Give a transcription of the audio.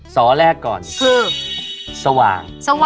สอแรกก่อนคือสว่าง